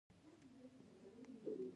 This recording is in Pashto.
هغه هم ډیر او هم ښه شعرونه لیکلي دي